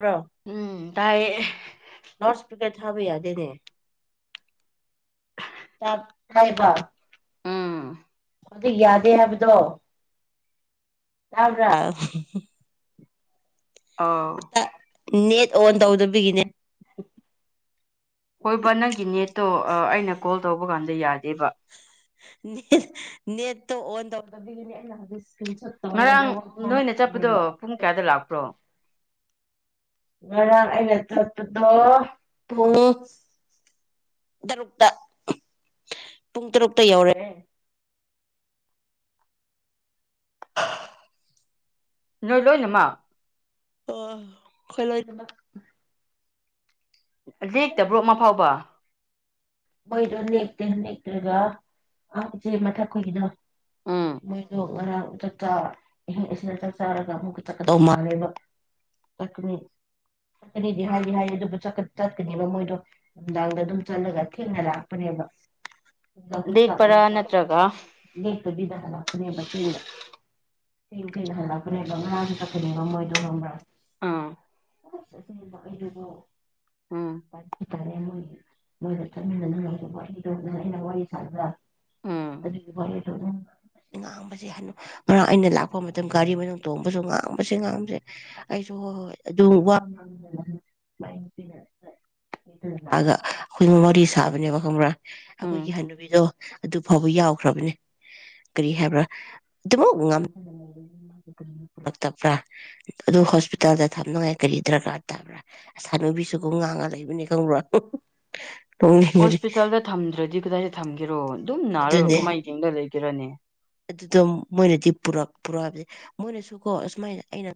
bro ꯎꯝ ꯇꯥꯏ ꯊꯥꯕꯌꯥꯗꯦꯅꯦ ꯑꯗꯨꯅꯦ ꯇꯏꯕ ꯎꯝ ꯑꯗꯨ ꯌꯥꯗꯦ ꯍꯥꯏꯕꯗꯣ ꯌꯥꯕ꯭ꯔꯥ ꯑꯥꯎ ꯅꯦꯠ ꯑꯣꯟ ꯇꯧꯗꯕꯤꯒꯤꯅꯦ ꯍꯣꯏꯕ ꯅꯪꯒꯤ ꯅꯦꯠꯇꯣ ꯑꯩꯅ ꯀꯣꯜ ꯇꯧꯕ ꯀꯥꯟꯗ ꯌꯥꯗꯦꯕ ꯅꯦꯠ ꯅꯦꯠꯇꯣ ꯑꯣꯟ ꯇꯧ ꯉꯔꯥꯡ ꯅꯣꯏꯅ ꯆꯠꯄꯗꯣ ꯄꯨꯡ ꯀꯌꯥꯗ ꯂꯥꯛꯄ꯭ꯔꯣ ꯉꯔꯥꯡ ꯑꯩꯅ ꯆꯠꯄꯗꯣ ꯄꯨꯡ ꯇꯔꯨꯛꯇ ꯄꯨꯡ ꯇꯔꯨꯛꯇ ꯌꯧꯔꯛꯑꯦ [unintelligible] ꯅꯣꯏ ꯂꯣꯏꯅꯃꯛ ꯑꯣ ꯈꯣꯏ ꯂꯣꯏꯅꯃꯛ ꯂꯦꯛꯇꯕ꯭ꯔꯣ ꯑꯃ ꯐꯥꯎꯕ ꯃꯣꯏꯗꯣ ꯅꯦꯛꯇꯦ ꯅꯦꯛꯇ꯭ꯔꯒ ꯑ ꯏꯆꯦ ꯃꯊꯛꯈꯣꯏꯒꯤꯗꯣ ꯎꯝ ꯃꯣꯏꯗꯣ ꯉꯔꯥꯡ ꯆ ꯆ ꯑꯍꯤꯡ ꯑꯁꯤꯗ ꯆꯥꯛ ꯆꯥꯔꯒ ꯑꯃꯨꯛꯀ ꯆꯠꯀꯗꯧ ꯃꯥꯜꯂꯦꯕꯀꯅꯤ ꯆꯀꯅꯤꯗꯤ ꯍꯥꯏꯗꯤ ꯍꯥꯏ ꯑꯗꯨꯕꯨ ꯆꯠꯀꯅꯤꯕ ꯃꯣꯏꯗꯣ ꯅꯨꯡꯗꯥꯡꯗ ꯑꯗꯨꯝ ꯆꯠꯂꯒ ꯊꯦꯡꯉ ꯂꯥꯛꯄꯅꯦꯕ ꯑꯗꯨꯗ ꯂꯦꯛꯄꯥ꯭ꯔ ꯅꯠꯇ꯭ꯔꯒ ꯑꯗꯨ ꯂꯥꯛꯄꯅꯦꯕ ꯊꯦꯡ ꯊꯦꯡꯅ ꯍꯜꯂꯛꯄꯅꯦꯕ ꯉꯔꯥꯡꯁꯨ ꯆꯛꯀꯅꯦꯕ ꯃꯣꯏꯗꯣ ꯈꯪꯕ꯭ꯔꯥꯁꯦ ꯑꯥ [unintelligible] [unintelligible] [unintelligible] ꯎꯝ ꯆꯠꯃꯤꯟꯅꯔꯤꯉꯩ ꯋꯥꯔꯤꯗꯣꯅ ꯑꯩꯅ ꯋꯥꯔꯤ ꯁꯥꯟꯅꯕ ꯎꯝ ꯑꯗꯨꯗꯤ ꯋꯥꯔꯤ ꯉꯥꯡꯕꯁꯦ ꯍꯥꯏ ꯉꯔꯥꯡ ꯑꯩꯅ ꯂꯥꯛꯄ ꯃꯇꯝ ꯒꯥꯔꯤ ꯃꯅꯨꯡ ꯇꯣꯡꯕꯁꯨ ꯉꯥꯡꯕꯁꯦ ꯉꯥꯡꯕꯁꯦ ꯑꯩꯁꯨ ꯍꯣꯏ ꯍꯣꯏ ꯑꯗꯨꯝ ꯋꯥ ꯁꯥꯕꯅꯦꯕ ꯈꯪꯕ꯭ꯔꯥ ꯑꯩꯈꯣꯏꯒꯤ ꯎꯝ ꯍꯟꯅꯨꯕꯤꯗꯣ ꯑꯗꯨ ꯐꯥꯎꯕ ꯌꯥꯎꯈ꯭ꯔꯕꯅꯦ ꯀꯔꯤ ꯍꯥꯏꯕ꯭ꯔꯥ ꯑꯗꯨꯃꯛꯂꯛꯇꯕ꯭ꯔꯥ ꯑꯗꯨ ꯍꯣꯁꯄꯤꯇꯥꯜꯗ ꯊꯝꯅꯉꯥꯏ ꯀꯔꯤ ꯗꯔꯀꯥꯔ ꯇꯥꯕ꯭ꯔꯥ ꯍꯅꯨꯕꯤꯁꯨ ꯉꯥꯡꯉ ꯂꯩꯕꯅꯤ ꯈꯪꯕ꯭ꯔꯥ ꯅꯣꯛꯅꯤꯡꯕꯅꯤ ꯍꯣꯁꯄꯤꯇꯥꯜꯗ ꯊꯝꯗ꯭ꯔꯗꯤ ꯀꯗꯥꯏꯗ ꯊꯝꯒꯦꯔꯣ ꯑꯗꯨꯝ ꯅꯥꯔꯒ ꯑꯗꯨꯅꯦ ꯀꯃꯥꯏꯅ ꯌꯦꯡꯗ ꯂꯩꯒꯦꯔꯅꯦ ꯑꯗꯨꯗꯣ ꯃꯣꯏꯅꯗꯤ ꯄꯨꯔꯛ ꯄꯨꯔꯛ ꯍꯥꯏꯕꯁ ꯃꯣꯏꯅꯁꯨ ꯀꯣ ꯑꯁꯨꯃꯥꯏꯅ ꯑꯩꯅ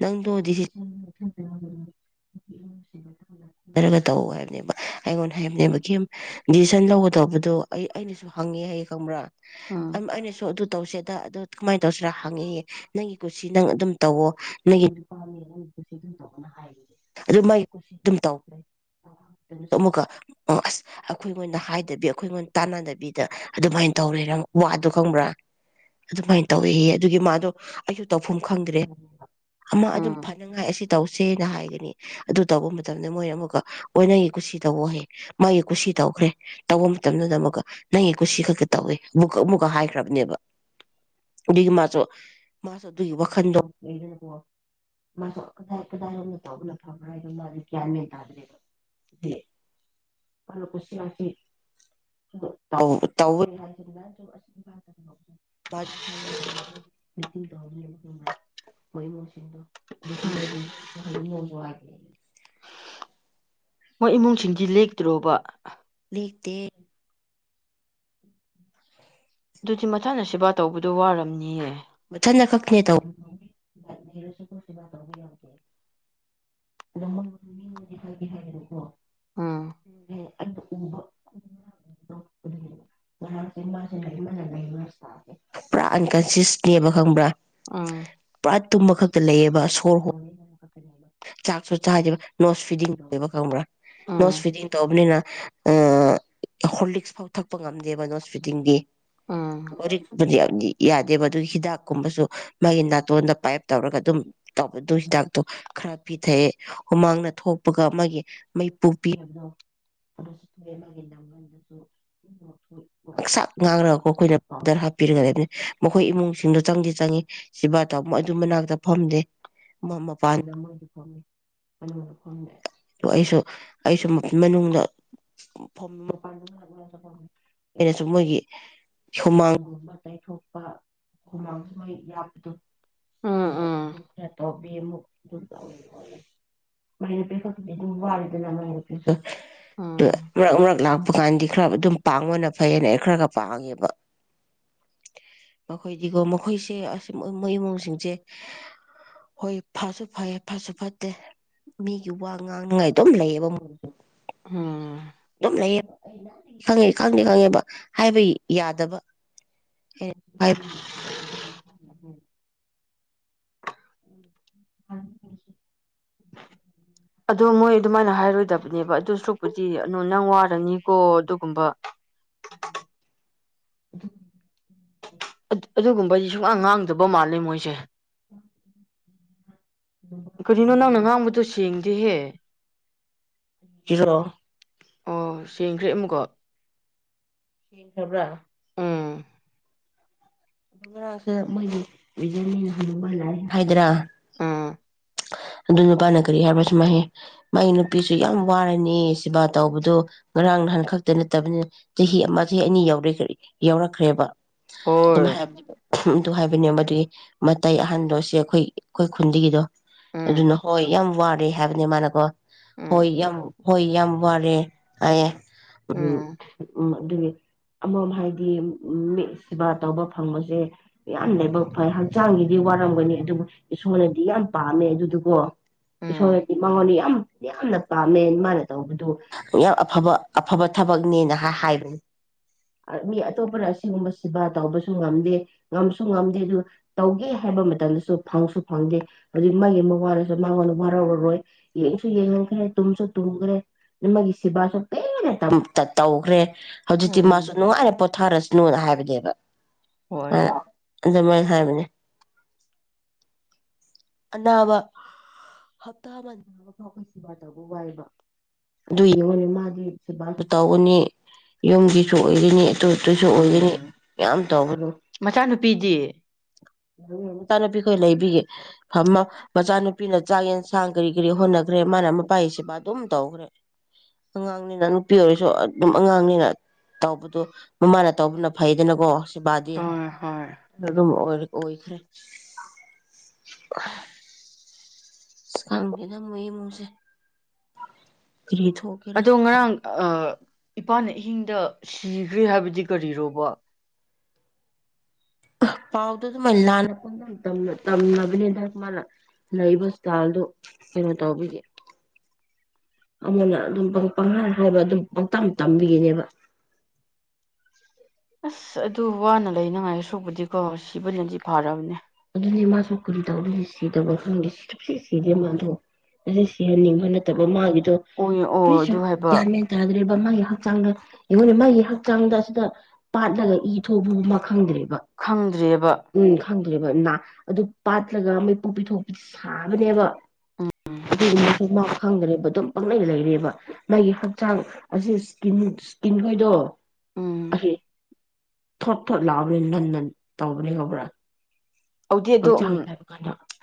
ꯅꯪꯗꯣꯔꯒ ꯇꯧ ꯍꯥꯏꯕꯅꯦꯕ ꯑꯩꯉꯣꯟꯗ ꯍꯥꯏꯕꯅꯦꯕ ꯗꯤꯁꯤꯖꯟ ꯇꯧꯕꯗꯣ ꯑꯩ ꯑꯩꯅꯁꯨ ꯍꯪꯉꯦ ꯍꯥꯏꯌꯦ ꯈꯪꯕ꯭ꯔꯥ ꯎꯝ ꯑꯩꯅ ꯁꯨ ꯑꯗꯨ ꯇꯧꯁꯦ ꯑꯗꯨ ꯀꯃꯥꯏꯅ ꯇꯧꯁꯤꯔ ꯍꯪꯉꯤ ꯅꯪꯒꯤ ꯀꯣꯁꯤ ꯅꯪ ꯑꯗꯨꯝ ꯇꯧꯋ ꯅꯪꯒꯤ ꯅꯨꯄꯥꯅꯤ ꯅꯪꯒꯤ ꯀꯁꯤ ꯇ ꯑꯗꯨ ꯃꯥꯒꯤ ꯀꯣꯁꯤ ꯑꯗꯨꯝ ꯇꯧ꯭ꯔ ꯑꯃꯨꯛꯀ ꯑꯁ ꯑꯩꯈꯣꯏꯣꯏꯅ ꯗꯕꯤ ꯑꯩꯈꯣꯏꯉꯣꯟꯗ ꯇꯥꯟꯅꯗꯕꯤꯗ ꯑꯗꯨꯃꯥꯏꯅ ꯇꯧꯔꯦꯔꯪ ꯋꯥꯗꯣ ꯈꯪꯕ꯭ꯔꯥ ꯑꯗꯨꯃꯥꯏꯅ ꯇꯧꯋꯦꯍ ꯑꯗꯨꯒꯤ ꯃꯥꯗꯣ ꯑꯩꯁꯨ ꯇꯧꯐꯝ ꯈꯪꯗ꯭ꯔꯦ ꯑꯃ ꯑꯗꯨꯝ ꯎꯝ ꯐꯅꯉꯥꯏ ꯑꯁꯤ ꯇꯧꯁꯤ ꯁꯦꯅ ꯍꯥꯏꯒꯅꯤ ꯑꯗꯨ ꯇꯧꯕ ꯃꯇꯝꯗ ꯃꯣꯏꯅ ꯑꯃꯨꯛꯀꯒꯤ ꯀꯨꯁꯤ ꯇꯧ ꯍ ꯃꯥꯒꯤ ꯀꯨꯁꯤ ꯇꯧꯈ꯭ꯔꯦ ꯇꯧꯕ ꯃꯇꯝꯗꯨꯗ ꯑꯃꯨꯛꯀ ꯅꯪꯒꯤ ꯀꯨꯁꯤ ꯈꯛꯇ ꯇꯧꯋꯤ ꯑꯃꯨꯛꯀꯛ ꯑꯃꯨꯛꯀ ꯍꯥꯏꯈ꯭ꯔꯕꯅꯦꯕ ꯑꯗꯨꯒꯤ ꯃꯥꯁꯨ ꯃꯥꯁꯨ ꯑꯗꯨꯒꯤ ꯋꯥꯈꯟꯗꯣꯁꯨꯗꯥꯏ ꯐꯕ ꯍꯥꯏꯕꯗꯣ ꯃꯥꯗꯤ ꯒ꯭ꯌꯥꯟ ꯃꯦꯟ ꯇꯥꯗ꯭ꯔꯦꯕ ꯃꯥꯅ ꯀꯨꯁꯤ ꯔꯥꯁꯤ ꯇꯧ ꯇꯧ [unintelligible] [unintelligible] ꯑꯗꯨꯁꯨ ꯃꯣꯏꯁꯨ ꯌꯦꯁ ꯁꯨ ꯍꯥꯏꯅꯤꯡꯑꯣꯏ [unintelligible] ꯃꯣꯏ ꯏꯃꯨꯡꯁꯤꯡꯗꯤ ꯂꯦꯛꯇ꯭ꯔꯣꯕ ꯂꯦꯛꯇꯦ [unintelligible] ꯑꯗꯨꯗꯤ ꯃꯊꯪꯗ ꯁꯦꯕꯥ ꯇꯧꯕꯗꯣ ꯋꯥꯔꯝꯅꯤꯌꯦ ꯃꯊꯟꯗ ꯈꯛꯇꯅꯦ ꯇꯧꯕꯗꯣ ꯎꯝꯝ ꯎꯝ ꯑꯗꯨ ꯎꯕꯁꯦ ꯉꯔꯥꯡꯁꯦ ꯃꯥꯁꯦ ꯃꯥꯅ ꯂꯩꯕ ꯎꯕꯁꯦ ꯄꯨꯔꯥ ꯑꯟꯀꯟꯁꯤꯌꯁ ꯅꯦꯕ ꯈꯪꯕ꯭ꯔꯥ ꯎꯝ ꯑꯠ ꯇꯨꯝꯕ ꯈꯛꯇ ꯂꯩꯌꯦꯕ ꯁꯣꯔ ꯍꯣꯡꯕ ꯈꯕ ꯆꯥꯛꯁꯨ ꯆꯥꯗꯦꯕ ꯅꯣꯁ ꯐꯤꯗꯤꯡ ꯇꯧꯋꯦꯕ ꯈꯪꯕ꯭ꯔꯥ ꯅꯣꯁ ꯎꯝ ꯐꯤꯗꯤꯡ ꯇꯧꯕꯅꯤꯅ ꯑ ꯍꯣꯔꯂꯤꯛꯁ ꯐꯥꯎ ꯊꯛꯄ ꯉꯝꯗꯦꯕ ꯅꯣꯁꯐꯤꯗꯤꯡꯗꯤ ꯎꯝ ꯍꯧꯖꯤꯛ ꯄꯨꯗꯤ ꯌꯥꯗꯦ ꯑꯗꯨꯒꯤ ꯍꯤꯗꯥꯛꯀꯨꯝꯕꯁꯨ ꯃꯥꯒꯤ ꯅꯥꯇꯣꯟꯗ ꯄꯥꯏꯞ ꯇꯧꯔꯒ ꯑꯗꯨꯝ ꯇꯧꯕ ꯑꯗꯨ ꯍꯤꯗꯥꯛꯇꯣ ꯈꯔ ꯄꯤꯊꯛꯑꯦ ꯍꯨꯃꯥꯡꯗ ꯊꯣꯛꯄꯒ ꯃꯥꯒꯤ ꯃꯩꯄꯨꯄꯤꯕꯗꯣꯑ ꯃꯥꯒꯤꯆꯥꯛ ꯉꯥꯡꯔꯒ ꯑꯩꯈꯣꯏꯅ ꯄꯥꯎꯗꯔ ꯍꯥꯞꯄꯤꯔꯒꯕꯅꯤ ꯑꯩꯈꯣꯏ ꯏꯃꯨꯡꯁꯤꯡꯗꯣ ꯆꯪꯗꯤ ꯆꯪꯏꯤ ꯁꯤꯦꯕꯥ ꯇꯧ ꯃꯣꯏ ꯑꯗꯨ ꯃꯅꯥꯛꯇ ꯐꯝꯗꯦ ꯃꯄꯥꯟꯗ ꯐ ꯑꯗꯨ ꯑꯩꯁꯨ ꯑꯩꯁꯨ ꯃꯅꯨꯡꯗ ꯑꯩꯅꯁꯨ ꯃꯣꯏꯒꯤ ꯍꯨꯃꯥꯡꯒꯨꯝꯕ ꯇꯊꯣꯛꯄ ꯍꯃꯥꯡ ꯃꯣꯏ ꯌꯥꯄꯗꯨ ꯎꯝ ꯎꯝ ꯈꯔ ꯇ ꯑꯃꯨꯛ ꯃꯥꯏ ꯅꯨꯄꯤ ꯈꯛꯇꯗꯤ ꯑꯗꯨꯝ ꯋꯥꯔꯤꯗꯅ ꯃꯥꯏ ꯎꯝ ꯅꯨ ꯔꯛ ꯂꯥ ꯀꯥꯟꯗꯤ ꯈꯔ ꯑꯗꯨꯝ ꯄꯥꯡꯕꯅ ꯐꯩꯌꯦꯅ ꯑꯩ ꯈꯔ ꯈ ꯄꯥꯡꯉꯦꯕ ꯃꯈꯣꯏꯗꯤꯒꯣ ꯃꯈꯣꯏꯁꯦ ꯑꯁ ꯃꯣꯏ ꯏꯃꯨꯡꯁꯤꯡꯁꯦ ꯍꯣꯏ ꯐꯁꯨ ꯐꯩ ꯐꯠꯁꯨ ꯐꯠꯇꯦ ꯃꯤꯒꯤ ꯋꯥ ꯉꯥꯡꯅꯤꯉꯥꯏ ꯑꯗꯨꯝ ꯂꯩꯌꯦꯕ ꯃꯣꯏ ꯎꯝ ꯑꯗꯨꯝ ꯂꯩꯌꯦꯕ ꯈꯪꯉꯦ ꯈꯪꯗꯦ ꯈꯪꯉꯦꯕ ꯍꯥꯏꯕ ꯌꯥꯗꯕ [unintelligible] ꯎ ꯑꯗ ꯃꯣꯏ ꯑꯗꯨꯃꯥꯏꯅ ꯍꯥꯏꯔꯣꯏꯗꯕ ꯅꯦꯕ ꯑꯗꯨ ꯁꯔꯨꯛꯄꯨꯗꯤ ꯑꯗꯨꯣ ꯅꯪ ꯋꯥꯔꯅꯤꯀꯣ ꯑꯗꯨꯒꯨꯝꯕ ꯑꯗꯨ ꯑꯗꯨꯒꯨꯝꯕꯗꯤ ꯁꯨꯛꯂꯥꯡ ꯉꯥꯡꯗꯕ ꯃꯥꯜꯂꯦ ꯃꯣꯏꯁꯦ ꯎꯝ ꯀꯔꯤꯒꯤꯅꯣ ꯅꯪꯅ ꯉꯥꯡꯕꯗꯣ ꯁꯦꯡ ꯍꯍꯦ ꯔꯣ ꯑꯣ ꯁꯦꯡꯈ꯭ꯔꯦ ꯑꯃꯨꯀꯣ ꯁꯤ ꯈꯕ꯭ꯔꯥ ꯑꯗꯨꯥꯁ ꯃꯣꯏꯒꯤꯖ ꯐꯥꯏꯗ꯭ꯔꯥ ꯎꯝ ꯑꯗꯨ ꯅꯨꯄꯥꯅ ꯀꯔꯤ ꯍꯥꯏꯔꯕ ꯁꯨꯃ ꯃꯥꯒꯤ ꯅꯨꯄꯤꯁꯨ ꯌꯥꯝ ꯋꯥꯔꯅꯤ ꯁꯦꯕꯥ ꯇꯧꯕꯗꯣ ꯉꯔꯥꯡ ꯅꯍꯥꯟ ꯈꯛꯇ ꯅꯠꯇꯕꯅꯤꯅ ꯆꯍꯤ ꯑꯃ ꯆꯍꯤ ꯑꯅꯤ ꯌꯥꯔ ꯌꯥꯎꯔꯛꯈ꯭ꯔꯦꯕ ꯑꯗꯨꯝ ꯍꯣꯏ ꯍꯥꯏꯕꯅꯤꯕ ꯑꯗꯨ ꯍꯥꯏꯕꯅꯦ ꯃꯗꯨꯒꯤ ꯃꯇꯩ ꯑꯍꯥꯟꯕꯣꯁꯦ ꯑꯩꯈꯣꯏ ꯑꯩꯈꯣꯏ ꯈꯨꯟꯒꯤꯗꯣ ꯎꯝ ꯑꯗꯨꯅ ꯍꯣꯏ ꯌꯥꯝ ꯋꯥꯔꯦ ꯍꯥꯏꯕꯅꯤ ꯃꯅ ꯀꯣ ꯎꯝ ꯍꯣꯏ ꯌꯥꯝ ꯍꯣꯏ ꯌꯥꯝ ꯋꯥꯔꯦ ꯍꯥꯏꯌꯦ ꯎꯝ ꯑꯗꯨ ꯑꯃꯝ ꯍꯥꯏꯗꯤ ꯎꯁꯕꯥ ꯇꯧꯕ ꯐꯪꯕꯁꯦ ꯌꯥꯝ ꯂꯥꯏꯕꯛ ꯐꯩ ꯍꯛꯆꯥꯡꯒꯤꯗꯤ ꯋꯥꯔꯝꯒꯅꯤ ꯑꯗꯨꯕꯨ ꯏꯁꯣꯔꯅꯗꯤ ꯌꯥꯝ ꯄꯥꯝꯃꯦ ꯑꯗꯨꯗꯨꯒꯣ ꯎꯝ ꯁꯗꯤ ꯃꯒꯣꯣꯟꯂꯤꯌꯥ ꯌꯥꯝꯅ ꯄꯥꯝꯃꯦ ꯃꯥꯅ ꯇꯧꯕꯗꯨ ꯌꯥꯝ ꯑꯐꯕ ꯑꯐꯕ ꯊꯕꯛꯅꯦꯅ ꯍꯥꯏꯕꯅꯤ ꯃꯤ ꯑꯇꯣꯞꯄꯅ ꯑꯁꯤꯒꯨꯝꯕꯁꯤꯕ ꯇꯧꯕꯁꯨ ꯉꯝꯗꯦ ꯉꯝꯁꯨ ꯉꯝꯗꯦ ꯑꯗꯨ ꯇꯧꯒꯦ ꯍꯥꯏꯕ ꯃꯇꯝꯗꯁꯨ ꯐꯪꯁꯨ ꯐꯪꯗꯦ ꯍꯧꯖꯤꯛ ꯃꯥꯒꯤ ꯑꯃ ꯋꯥꯔꯁꯨ ꯃꯥꯉꯣꯟꯗ ꯋꯥꯔꯧꯔꯔꯣꯏ ꯌꯦꯡꯁꯨ ꯌꯦꯡꯍꯟꯈ꯭ꯔꯦ ꯇꯨꯝꯁꯨ ꯇꯨꯝꯈ꯭ꯔꯦ ꯃꯥꯒꯤ ꯁꯦꯕꯥꯁꯨ ꯄꯦꯅ ꯇꯧꯈ꯭ꯔꯦ ꯍꯧꯖꯤꯛꯇ ꯇꯤꯝ ꯎꯝ ꯃꯥꯁꯨꯅꯨꯡꯉꯔꯦ ꯄꯣ ꯊꯔꯁꯅꯨꯅ ꯍꯥꯏꯕꯅꯦꯕ ꯍꯣꯏ ꯑ ꯑꯗꯨ ꯃꯥ ꯍꯥꯏꯕꯅꯦ ꯑꯅꯥꯕ ꯍꯞꯇꯥ ꯑꯃ ꯐꯥꯎ ꯁꯦꯕꯥꯔ ꯇꯧꯕ ꯋꯥꯏꯕ ꯑꯗꯨ ꯌꯦꯡꯉꯨꯅꯤ ꯃꯥꯗꯤ ꯁꯦꯕꯥꯔꯁꯨ ꯇꯧꯒꯅꯤ ꯌꯨꯝꯒꯤꯁꯨ ꯑꯣꯏꯔꯤꯅꯤ ꯑꯗꯨꯗꯨꯁꯨ ꯑꯣꯏꯒꯅꯤ ꯎꯝ ꯌꯥꯝ ꯇꯧꯕꯅꯣ ꯃꯆꯥꯅꯨꯄꯤꯗꯤ ꯃꯆꯥꯅꯨꯄꯤ ꯈꯣꯏ ꯂꯩꯕꯤꯒꯦ ꯐꯃ ꯃꯆꯥꯅꯨꯄꯤꯅ ꯆꯥꯛ ꯌꯦꯟꯁꯥꯡ ꯀꯔꯤ ꯀꯔꯤ ꯍꯣꯠꯅꯈ꯭ꯔꯦ ꯃꯥꯅ ꯃꯄꯥꯁꯤꯕ ꯑꯗꯨꯝ ꯇꯧꯈ꯭ꯔꯦ ꯑꯉꯥꯡꯅꯤꯅ ꯅꯨꯄꯤ ꯑꯣꯏꯔꯁꯨ ꯑꯗꯨꯝ ꯑꯉꯥꯡꯅꯤꯅ ꯇꯧꯕꯗ ꯃꯃꯥꯅ ꯇꯧꯕꯅ ꯐꯩ ꯌꯦꯅꯀꯣ ꯕꯥꯖꯤꯦ ꯍꯣꯏ ꯍꯣꯏ ꯑꯣꯏ ꯏꯈꯔꯦ ꯁꯕꯤꯗ ꯃ‌ꯣꯏ ꯃꯨꯁꯦ ꯑꯗꯣ ꯉꯔꯥꯡ ꯑ ꯏꯄꯥꯅ ꯑꯍꯤꯡꯗ ꯁꯤꯈ꯭ꯔꯦ ꯍꯥꯏꯕꯗꯤ ꯀꯔꯤꯔꯣꯕ ꯄꯥꯎꯗꯣ ꯑꯗꯨꯃꯥꯏꯅ ꯂꯥꯟꯅ ꯄꯪ ꯇꯝꯅꯕꯅꯤꯗ ꯃꯥꯅ ꯂꯩꯕ ꯏꯁꯇꯥꯜꯗꯨ ꯀꯩꯅꯣ ꯇꯧꯕꯤꯒꯦ ꯑꯃꯅ ꯑꯗꯨꯝ ꯄꯪꯍꯟꯈ꯭ꯔꯕ ꯑꯗꯨꯝ ꯄꯪꯇ ꯇꯝꯕꯤꯈꯤꯅꯦꯕ ꯑꯁ ꯑꯗꯨ ꯋꯥꯅ ꯂꯩꯅꯉꯥꯏ ꯑꯁꯣꯛꯕꯨꯗꯤꯀꯣ ꯁꯤꯕꯨꯅꯗꯤ ꯐꯥꯔꯕꯅꯦ ꯑꯗꯨꯗꯤ ꯃꯥꯁꯨ ꯀ ꯔꯤ ꯇꯧꯗꯣꯏ ꯁꯤꯗꯕ ꯈꯪꯗꯦ ꯁꯤꯗꯦ ꯃꯥꯗꯣ ꯑꯁꯤ ꯁꯤꯍꯟꯅꯤꯡꯕ ꯅꯠꯇꯕ ꯃꯥꯒꯤ ꯑꯣꯏ ꯑꯣ ꯀꯁ ꯑꯗꯨ ꯍꯥꯏꯕ ꯃ ꯇꯗ꯭ꯔꯦ ꯃꯥꯒꯤ ꯍꯛꯆꯥꯡꯗꯡꯉꯅꯦ ꯃꯥꯒꯤ ꯍꯛꯆꯥꯡꯗ ꯑꯁꯤꯗ ꯄꯥꯠꯂꯒ ꯏ ꯊꯣꯛꯧꯕꯒꯨꯝ ꯑꯃ ꯈꯪꯗ꯭ꯔꯦꯕ ꯈꯪꯗ꯭ꯔꯦꯕ ꯦꯕꯅꯥ ꯑꯗꯨ ꯄꯥꯠꯂꯒ ꯃꯩ ꯄꯣꯛꯄꯤꯊꯣꯛꯄꯤꯗꯤ ꯁꯥꯕꯅꯦꯕ ꯎꯝ ꯑꯗꯨꯒꯨꯝꯕꯁꯨ ꯃꯥ ꯐꯪꯗ꯭ꯔꯦꯕ ꯑꯗꯨꯝ ꯄꯪꯅꯩ ꯂꯩꯔꯦꯕ ꯃꯥꯒꯤ ꯍꯛꯆꯥꯡ ꯑꯁꯤ ꯏꯁꯀꯤꯟ ꯏꯁꯀꯤꯟꯈꯣꯏꯗꯣ ꯎꯝ ꯍꯥꯏ ꯊꯠ ꯊ ꯂꯕꯔꯤ ꯂꯟꯗꯦꯟ ꯇꯕꯨꯕꯅꯤ ꯈꯕꯔꯥ ꯍꯧꯗꯦ ꯑꯗꯣ ꯎꯝ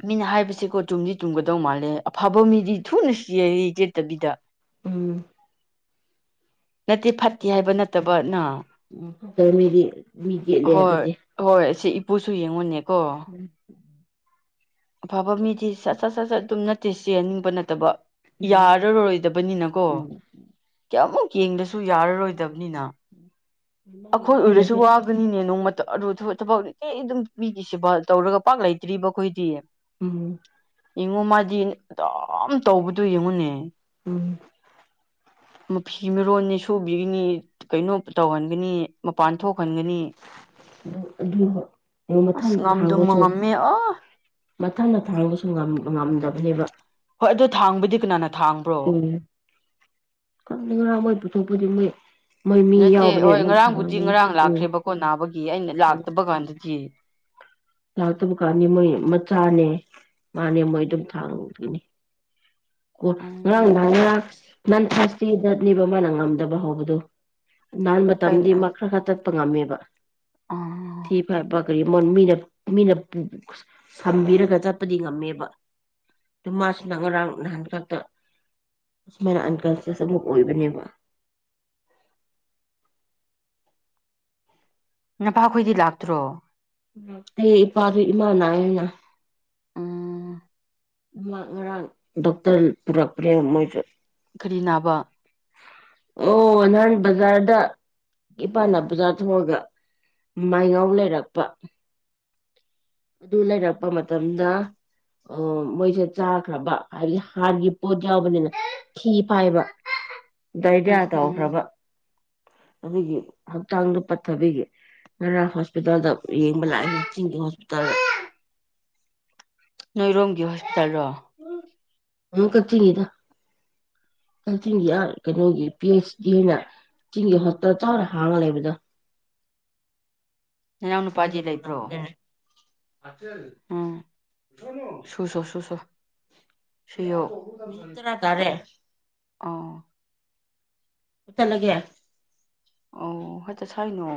ꯃꯤꯅ ꯍꯥꯏꯕꯁꯤꯀꯣ ꯆꯨꯝꯗꯤ ꯇꯨꯝꯒꯗꯧ ꯃꯥꯜꯂꯦ ꯑꯐꯕ ꯃꯤꯗꯤ ꯊꯨꯅ ꯆꯦꯔꯤ ꯆꯦꯠꯇꯕꯤꯗ ꯎꯝ ꯅꯠꯇꯦ ꯐꯠꯇꯦ ꯐꯠꯇꯕ ꯍꯥꯏꯕ ꯃꯤꯗꯤ ꯅꯠꯇꯕꯅ ꯎꯝ ꯐꯠꯇꯕ ꯃꯤꯗꯤ ꯃꯤ ꯌꯦꯠꯂꯦ ꯍꯣꯏ ꯍꯥꯏꯕꯗꯤ ꯍꯣꯏ ꯁꯤ ꯄꯨꯁꯨ ꯌꯦꯡꯉꯨꯅꯦꯕ ꯎꯝ ꯑꯐꯕ ꯃꯤꯗꯤ ꯁꯠ ꯁꯠ ꯁꯠ ꯁꯠ ꯑꯗꯨꯝ ꯅꯠꯇꯦ ꯆꯦꯍꯟꯅꯤꯡꯕ ꯅꯠꯇꯕ ꯌꯥꯔꯔꯣꯏꯗꯕꯅꯤꯅꯀꯣ ꯎꯝ ꯀꯌꯥꯃꯨꯛ ꯌꯦꯡꯗꯁꯨ ꯌꯥꯔꯔꯣꯏꯗꯕ ꯃꯥꯒꯤ ꯑꯩꯈꯣꯏ ꯑꯣꯏꯔꯁꯨ ꯅꯨꯄꯤꯅꯁꯨ ꯋꯥꯒꯅꯤꯅꯦ ꯅꯣꯡꯃꯇ ꯑꯗꯨꯔ ꯊꯕꯛ ꯀꯩ ꯑꯗꯨꯝ ꯄꯤꯈꯤꯁꯤꯦꯕ ꯇꯧꯔꯒ ꯄꯥꯛ ꯂꯩꯇ꯭ꯔꯤꯕ ꯑꯩꯈꯣꯏꯗꯤ ꯎꯝ ꯌꯦꯡꯉꯨ ꯃꯥꯗꯤ ꯑꯗꯨꯝ ꯇꯧꯕꯗꯣ ꯌꯦꯡꯉꯨꯅꯦ ꯎꯝ ꯎ ꯐꯤ ꯃꯤꯔꯣꯟꯅꯤ ꯁꯨꯕꯤꯒꯅꯤ ꯀꯩꯅꯣ ꯇꯧꯍꯟꯒꯅꯤ ꯃꯄꯥꯟ ꯊꯣꯛꯍꯟꯒꯅꯤ ꯑꯗꯨ ꯑꯃ ꯑꯁ ꯃꯊꯪꯗ ꯉꯝꯗꯨꯃ ꯊꯥꯡꯒꯁꯨ ꯉꯝꯃꯦ ꯑꯥ ꯃꯊꯪꯗ ꯊꯥꯡꯒꯁꯨ ꯉꯝꯗꯕꯅꯦꯕ ꯍꯣꯏ ꯑꯗꯣ ꯊꯥꯡꯕꯨꯗꯤ ꯀꯅꯥꯅꯣ ꯎ ꯀꯣꯏ ꯄꯨꯊꯣꯛ ꯄꯨꯗꯤꯣꯏ ꯅꯠꯇꯦ ꯍꯣꯏ ꯉꯔꯥꯡꯕꯨꯗꯤ ꯉꯔꯥꯡ ꯎꯝ ꯂꯥꯛꯈ꯭ꯔꯦꯕꯀꯣ ꯅꯥꯕꯒꯤ ꯑꯩꯅ ꯎꯝ ꯂꯥꯛꯇꯕ ꯀꯥꯟꯗꯗꯤ ꯂꯥꯛꯇꯕ ꯀꯥꯟꯅꯤ ꯃꯣꯏ ꯃꯆꯥꯅꯦ ꯃꯥꯅꯦ ꯃꯣꯏ ꯑꯗꯨꯝ ꯊꯥꯡꯗꯅꯤ ꯑꯣ ꯉꯔꯥꯡ ꯎꯝ ꯅꯥꯡ ꯉꯔꯥꯡ ꯅꯟꯊꯔ ꯆꯦꯗꯅꯤꯕ ꯃꯥꯅ ꯉꯝꯗꯕ ꯍꯧꯕꯗꯨꯣ ꯅꯍꯥꯟ ꯃꯇꯝꯗꯤ ꯀꯩꯅꯣ ꯃꯈ ꯈꯔ ꯈꯛꯇ ꯀꯠꯄ ꯉꯝꯃꯦꯕ ꯑꯥ ꯊ ꯐ ꯀꯔꯤ ꯃꯔꯣ ꯃꯤꯅ ꯃꯤꯅ ꯁꯝꯕꯤꯔꯒ ꯆꯠꯄꯗꯤ ꯉꯝꯃꯦꯕ ꯑꯗꯨ ꯃꯥꯁꯨꯅ ꯉꯔꯥꯡ ꯅꯍꯥꯟ ꯈꯛꯇ ꯅꯍꯟ ꯀꯜꯁꯦꯁ ꯑꯃꯨꯛ ꯑꯣꯏꯕꯅꯦꯕ ꯅꯄꯥꯈꯣꯏꯗꯤ ꯂꯥꯛꯇ꯭ꯔꯣ ꯏꯄꯥꯥꯗ ꯏꯃꯥꯅꯅ ꯎꯝ ꯉ ꯉꯔꯥꯡ ꯗꯣꯛꯇꯔ ꯄꯨꯔꯛꯄ꯭ꯔꯦ ꯃꯣꯏ ꯀꯔꯤ ꯅꯥꯕ ꯑꯣ ꯅꯍꯥꯟ ꯕꯖꯥꯔꯗ ꯏꯄꯥꯅ ꯕꯖꯥꯔ ꯊꯣꯡꯉꯒ ꯃꯥꯏꯒꯥꯎ ꯂꯩꯔꯛꯄ ꯑꯗꯨ ꯂꯩꯔꯛꯄ ꯃꯇꯝꯗ ꯑ ꯃꯣꯏꯁꯦ ꯆꯥꯈ꯭ꯔꯕ ꯍꯥꯏꯕꯗꯤ ꯍꯥꯥꯟꯅꯒꯤ ꯄꯣꯠ ꯌꯥꯎꯕꯅꯤꯅ ꯐꯤ ꯐꯥꯏꯕ ꯗꯥꯏꯔꯤꯌꯥ ꯎꯝ ꯇꯧꯈ꯭ꯔꯕ ꯑꯗꯨꯒꯤ ꯍꯛꯆꯥꯡꯗ ꯄꯠꯊꯕꯒꯤ ꯉꯔ ꯍꯣꯁꯄꯤꯇꯜꯗ ꯌꯦꯡꯕ ꯂꯥꯛꯑꯦ ꯍꯛꯆꯤꯡ ꯑ ꯅꯣꯏꯔꯣꯝꯒꯤ ꯍꯣꯁꯄꯤꯇꯥꯜꯗꯣ ꯑꯃꯛ ꯀꯛꯆꯤꯡꯒꯤꯗ ꯀꯛꯆꯤꯡꯒꯤ ꯀꯩꯅꯣꯒꯤ ꯄꯤ ꯑꯩꯆ ꯍꯥꯏꯅ ꯆꯤꯡꯒꯤ ꯍ꯭ꯔ ꯆꯔ ꯍꯥ ꯂꯩ ꯑꯣꯏꯗ ꯅꯅꯥꯎ ꯅꯨꯄꯥꯖꯤ ꯂꯩꯕ꯭ꯔꯣ ꯎꯝ ꯁꯁꯣ ꯁꯁꯣ ꯃꯤꯠꯇꯔ ꯀꯔꯦ ꯑꯥ ꯄꯠꯇꯅꯒꯦ ꯑꯣ ꯍꯇꯣ ꯁꯅꯣ